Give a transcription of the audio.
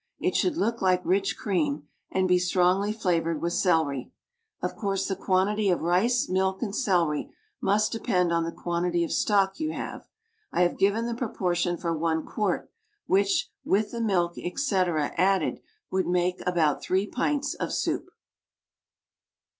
It should look like rich cream, and be strongly flavored with celery. Of course the quantity of rice, milk, and celery must depend on the quantity of stock you have. I have given the proportion for one quart, which, with the milk, etc., added, would make about three pints of soup.